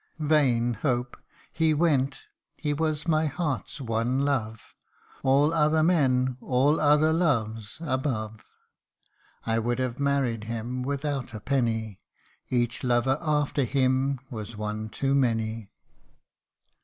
Vain hope ! he went he was my heart's one love ; All other men, all other loves, above. I would have married him without a penny, Each lover after him was one too many